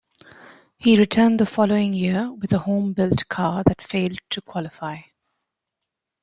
He returned the following year with a home-built car that failed to qualify.